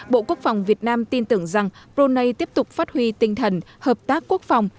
bộ quốc phòng việt nam tin tưởng rằng brunei tiếp tục phát huy tinh thần hợp tác quốc phòng